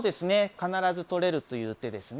必ず取れるという手ですね。